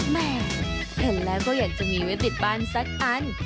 แม่เห็นแล้วก็อยากจะมีไว้ติดบ้านสักอัน